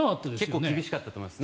結構、厳しかったと思います。